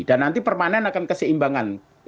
dan nanti permanen akan keseimbangan